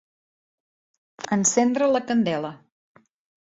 Encendre la candela.